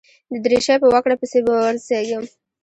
د درېشۍ په وکړه پسې به ورسېږم.